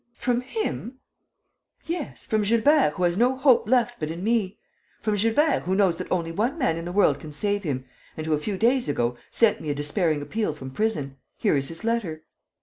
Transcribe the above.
"From him?" "Yes, from Gilbert, who has no hope left but in me; from Gilbert, who knows that only one man in the world can save him and who, a few days ago, sent me a despairing appeal from prison. Here is his letter."